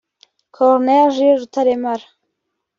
Col Jill Rutaremara